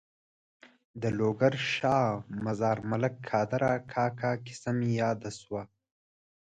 د لوګر د شا مزار ملک قادر کاکا کیسه مې یاده شوه.